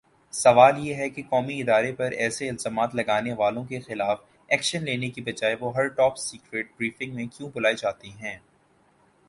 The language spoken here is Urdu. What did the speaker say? سوال یہ ہےکہ قومی ادارے پر ایسےالزامات لگانے والوں کے خلاف ایکشن لینے کی بجائے وہ ہر ٹاپ سیکرٹ بریفنگ میں کیوں بلائےجاتے ہیں